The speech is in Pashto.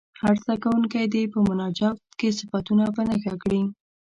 هر زده کوونکی دې په مناجات کې صفتونه په نښه کړي.